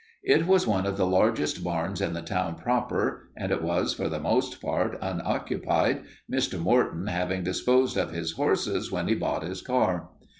It was one of the largest barns in the town proper and it was for the most part unoccupied, Mr. Morton having disposed of his horses when he bought his car.